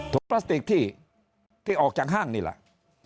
พลาสติกที่ออกจากห้างนี่แหละ